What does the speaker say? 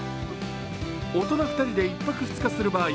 大人２人で１泊２日する場合